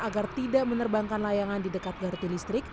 agar tidak menerbangkan layangan di dekat gardu listrik